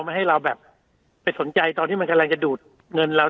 ให้เราแบบไปสนใจตอนที่มันกำลังจะดูดเงินเรา